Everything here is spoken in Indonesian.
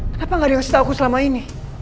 kenapa gak dikasih tahu aku selama ini